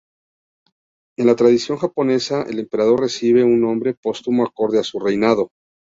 En la tradición japonesa, el emperador recibe un nombre póstumo acorde a su reinado.